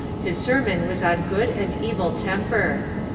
His sermon was on Good and Evil Temper.